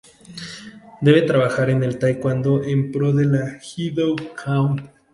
Debe trabajar en el Taekwondo en pro de la Ji Do Kwan.